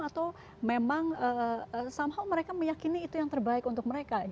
atau memang somehow mereka meyakini itu yang terbaik untuk mereka